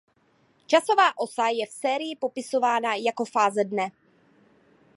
Časová osa je v sérii popisována jako fáze dne.